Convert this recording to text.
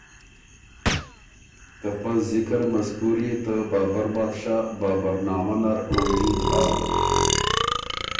ته پۀ ذکر مذکور يې ته بابربادشاه بابرنامه نر موجود هۀ۔